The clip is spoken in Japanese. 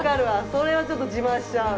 それはちょっと自慢しちゃう。